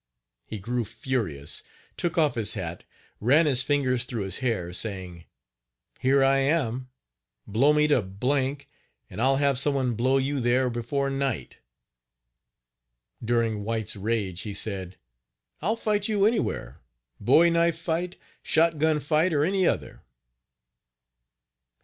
He grew furious, took off his hat, ran his fingers through his hair, saying: " Here I am, blow me to h l, and I'll have some one blow you there before night." During White's rage he said: "I'll fight you anywhere bowie knife fight, shot gun fight or any other."